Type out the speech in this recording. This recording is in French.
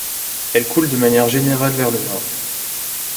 Elle coule de manière générale vers le nord.